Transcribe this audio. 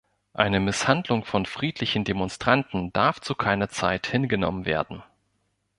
Eine Misshandlung von friedlichen Demonstranten darf zu keiner Zeit hingenommen werden.